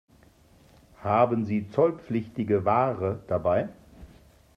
Haben Sie zollpflichtige Ware dabei?